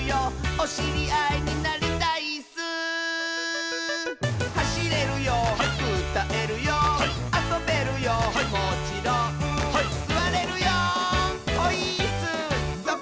「おしりあいになりたいっすー」「はしれるようたえるよあそべるよもちろん」「すわれるよオイーッス！」